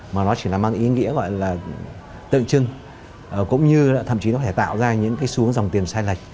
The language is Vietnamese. mà nó chỉ là mang ý nghĩa gọi là tự chưng cũng như là thậm chí nó có thể tạo ra những cái xuống dòng tiền sai lệch